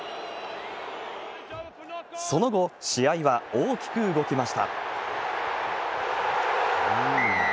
その後、試合は大きく動きました。